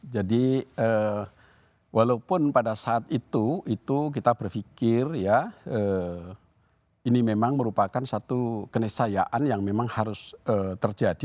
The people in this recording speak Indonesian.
walaupun pada saat itu itu kita berpikir ya ini memang merupakan satu kenisayaan yang memang harus terjadi